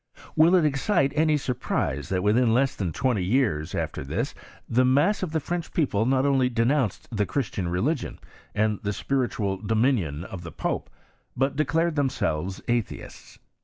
Will it excite any suf prise, tluit within less than twenty years after this the mass of the French people not only renounced the Christian religion^ and the spiritual dominion of the pope, but declared themselves atheists